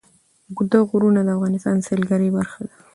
اوږده غرونه د افغانستان د سیلګرۍ برخه ده.